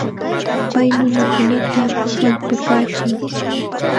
Pay nunakunata kallpakachin.